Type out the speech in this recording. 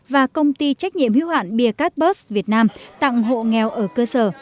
và công ty trách nhiệm hiếu hạn biacat bus việt nam tặng hộ nghèo ở cơ sở